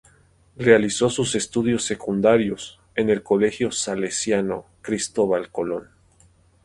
Realizó sus estudios secundarios en el Colegio Salesiano Cristóbal Colón.